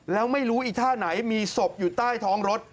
แล้วไม่รู้อีกท่าไหนมีศพอยู่ใต้ท้องรถ